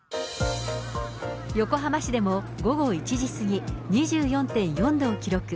横浜市でも、午後１時過ぎ、２４．４度を記録。